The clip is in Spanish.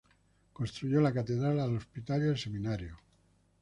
Construyó la Catedral, el Hospital y el Seminario.